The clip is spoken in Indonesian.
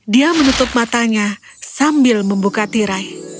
dia menutup matanya sambil membuka tirai